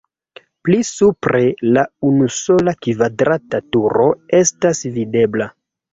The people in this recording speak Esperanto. Pli supre la unusola kvadrata turo estas videbla.